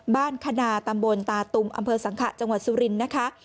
คณาตำบลตาตุมอำเภอสังขะจังหวัดสุรินทร์นะคะ